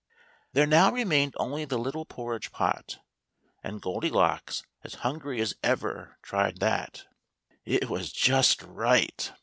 There now remained only the little porridge pot ; and Goldilocks, as hungry as ever, tried that. It was just right.